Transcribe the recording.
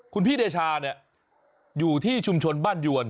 คุณพี่เดชาเนี่ยอยู่ที่ชุมชนบ้านยวน